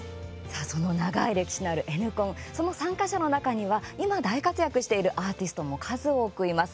その長い歴史のある「Ｎコン」、その参加者の中には今、大活躍しているアーティストも数多くいます。